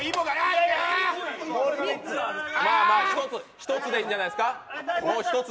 １つでいいんじゃないですか。